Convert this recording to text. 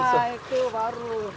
nah itu baru